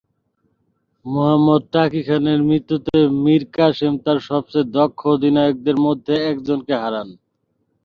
মুহাম্মাদ টাকি খানের মৃত্যুতে মীর কাসিম তার সবচেয়ে দক্ষ অধিনায়কদের মধ্যে একজনকে হারান।